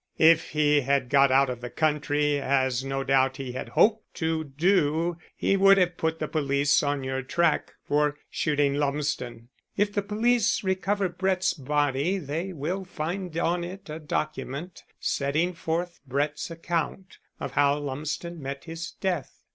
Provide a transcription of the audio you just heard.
If he had got out of the country, as no doubt he had hoped to do, he would have put the police on your track for shooting Lumsden. If the police recover Brett's body, they will find on it a document setting forth Brett's account of how Lumsden met his death.